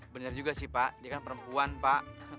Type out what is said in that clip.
benar juga sih pak dia kan perempuan pak